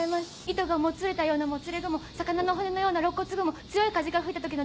糸がもつれたようなもつれ雲魚の骨のような肋骨雲強い風が吹いた時のジェット雲。